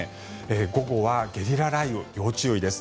午後はゲリラ雷雨要注意です。